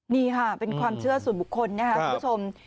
นี่ค่ะเป็นความเชื่อส่วนบุคคลนะครับคุณผู้ชม